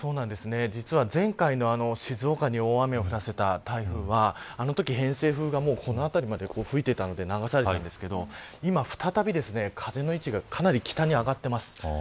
実は、前回の静岡に大雨を降らせた台風はあのとき偏西風がこの辺りまで吹いていたので流されましたが今、再び風の位置がかなり北に上がっています。